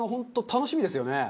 楽しみですよね。